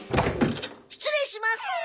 失礼します。